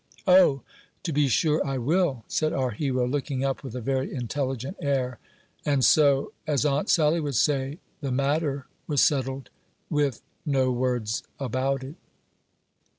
"O, to be sure I will!" said our hero, looking up with a very intelligent air; and so, as Aunt Sally would say, the matter was settled, with "no words about it."